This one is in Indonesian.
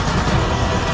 aku akan menang